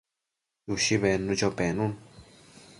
Chushi bednucho penun